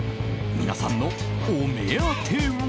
皆さんのお目当ては？